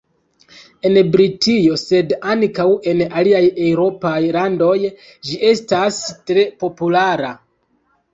En Britio sed ankaŭ en aliaj eŭropaj landoj ĝi estas tre populara.